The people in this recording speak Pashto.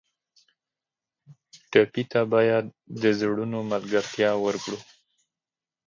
ټپي ته باید د زړونو ملګرتیا ورکړو.